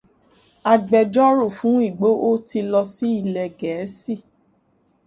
Agbẹjọ́rò fún Ìgbòho ti lọ sí ilẹ̀ Gẹ̀ẹ́sì.